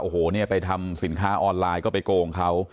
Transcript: โอ้โหเนี่ยไปทำสินค้าออนไลน์ก็ไปโกงเขา